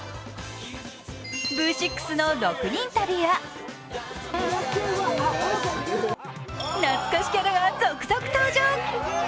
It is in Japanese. Ｖ６の６人旅や懐かしキャラが続々登場。